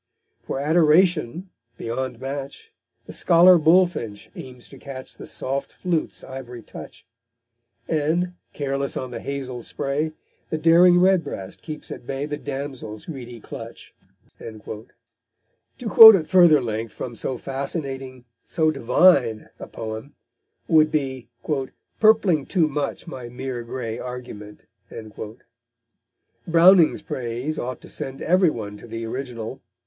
For Adoration, beyond match, The scholar bulfinch aims to catch The soft flute's ivory touch; And, careless on the hazle spray, The daring redbreast keeps at bay The damsel's greedy clutch_. To quote at further length from so fascinating, so divine a poem, would be "purpling too much my mere grey argument." Browning's praise ought to send every one to the original.